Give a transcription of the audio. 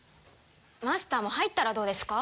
マスターも入ったらどうですか？